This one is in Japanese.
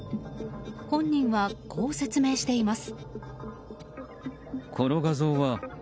本人はこう説明しています。